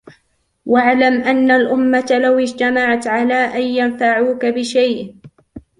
وَاعْلَمْ أَنَّ الأُمَّةَ لَوِ اجْتَمَعَتْ عَلَى أَنْ يَنْفَعُوكَ بِشَيْءٍ